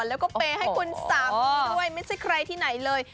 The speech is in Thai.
แล้วก็เปย์ให้คุณสามีด้วยไม่ใช่ใครที่ไหนเลย